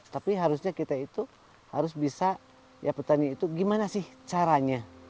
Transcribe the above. tapi harusnya kita itu harus bisa ya petani itu gimana sih caranya